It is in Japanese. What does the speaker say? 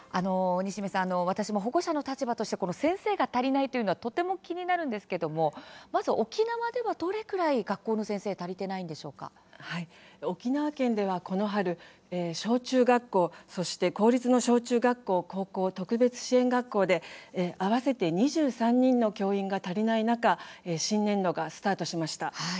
私も保護者の立場として先生が足りないというのもとても気になるんですがまず沖縄では、どれくらい学校の沖縄県では、この春小中学校、公立の小中学校、高校特別支援学校で合わせて２３人の教員が足りない中新年度がスタートしました。